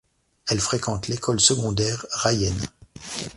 Elle fréquente l'école secondaire Rayen.